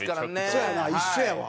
そうやな一緒やわ。